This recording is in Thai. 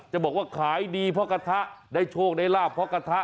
จะบอกว่าขายดีเพราะกระทะได้โชคได้ลาบเพราะกระทะ